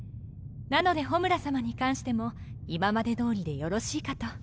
なのでホムラ様に関しても今まで通りでよろしいかと。